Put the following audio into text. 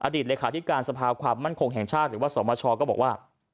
เลขาธิการสภาความมั่นคงแห่งชาติหรือว่าสมชก็บอกว่า